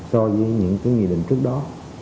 so với những nghị định trước đó